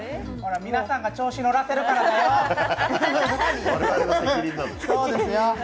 皆さんが調子乗らせるからだよ。